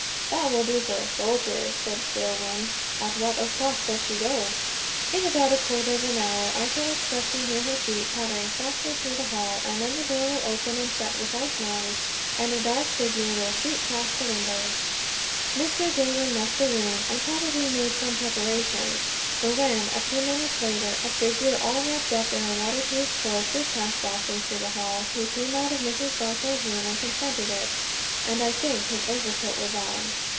'" "That will do for a soldier,", said Dillwyn. "At what o'clock does she go?" "In about a quarter of an hour I shall expect to hear her feet pattering softly through the hall, and then the door will open and shut without noise, and a dark figure will shoot past the windows." Mr. Dillwyn left the room, and probably made some preparations; for when, a few minutes later, a figure all wrapped up in a waterproof cloak did pass softly through the hall, he came out of Mrs. Barclay's room and confronted it; and I think his overcoat was on.